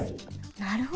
なるほど。